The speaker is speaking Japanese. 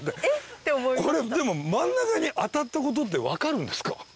これでも真ん中に当たったことって分かるんですか？